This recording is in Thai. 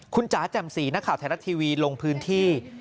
คุณจ๋าแจ่มสีนักข่าวไทยรัฐทีวีลงพื้นที่